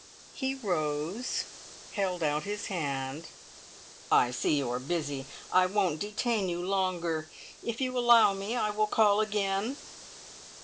He rose, held out his hand. "I see you are busy. I won't detain you longer. If you will allow me I will call again."